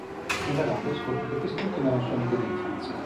Indagando, scopre che quest'ultimo era un suo amico di infanzia.